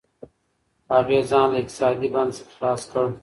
هغې ځان له اقتصادي بند څخه خلاص کړ.